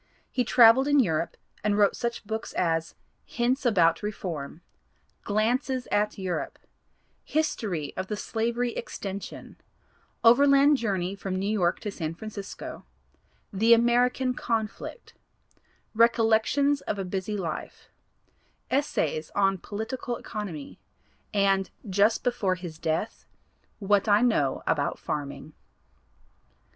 He traveled in Europe and wrote such books as "Hints About Reform," "Glances at Europe," "History of the Slavery Extension," "Overland Journey from New York to San Francisco," "The American Conflict," "Recollections of a Busy Life," "Essays on Political Economy," and just before his death, "What I Know About Farming."